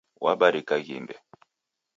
Wabarika ghimbe